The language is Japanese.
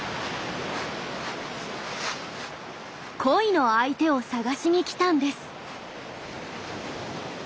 恋の相手を探しにきたんです。